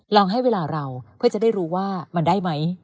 ลองให้เวลาเราเพื่อจะได้รู้ว่ามันได้ไหม